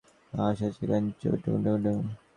Bacon আর ডিমের ঢেঁকুর।